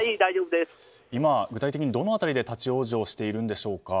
今、具体的にどの辺りで立ち往生しているんでしょうか？